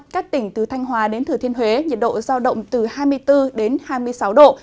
các tỉnh từ thanh hòa đến thừa thiên huế nhiệt độ giao động từ hai mươi bốn đến hai mươi sáu độ